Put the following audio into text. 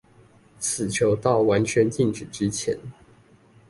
此球到完全靜止前